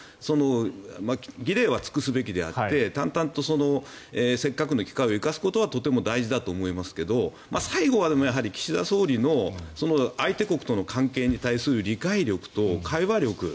儀礼は尽くすべきであって淡々とせっかくの機会を生かすことはとても大事だと思いますけど最後は岸田総理の相手国との関係に対する理解力と会話力。